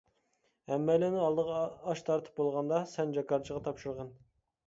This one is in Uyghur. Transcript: ھەممەيلەننىڭ ئالدىغا ئاش تارتىپ بولغاندا، سەن جاكارچىغا تاپشۇرغىن.